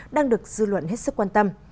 đang được dư luận hết sức quan tâm